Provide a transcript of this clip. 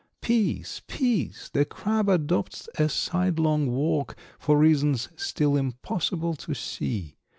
= Peace, peace, the Crab adopts a side long walk, `For reasons still impossible to see.